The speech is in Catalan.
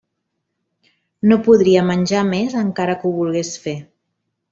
No podria menjar més encara que ho volgués fer.